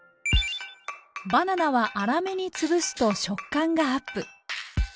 バナナは粗めに潰すと食感がアップ。